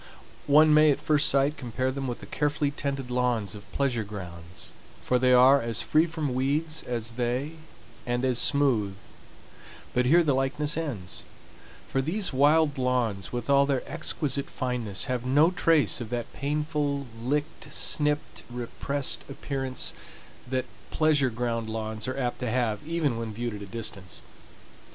One may at first sight compare them with the carefully tended lawns of pleasure grounds; for they are as free from weeds as they, and as smooth, but here the likeness ends; for these wild lawns, with all their exquisite fineness, have no trace of that painful, licked, snipped, repressed appearance that pleasure ground lawns are apt to have even when viewed at a distance.